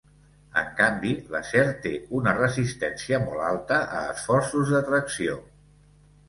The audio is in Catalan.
En canvi, l'acer té una resistència molt alta a esforços de tracció.